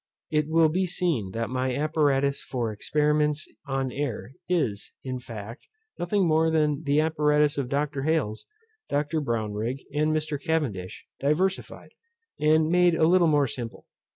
It will be seen that my apparatus for experiments on air is, in fact, nothing more than the apparatus of Dr. Hales, Dr. Brownrigg, and Mr. Cavendish, diversified, and made a little more simple.